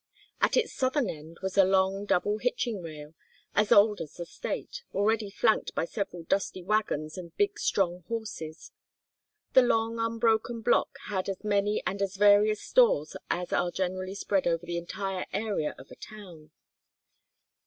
At its southern end was a long double hitching rail as old as the State already flanked by several dusty wagons and big strong horses. The long unbroken block had as many and as various stores as are generally spread over the entire area of a town.